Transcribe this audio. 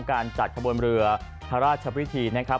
การจัดขบวนเรือพระราชพิธีนะครับ